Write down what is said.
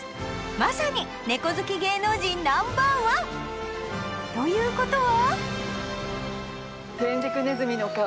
まさに猫好き芸能人ナンバー１ということは？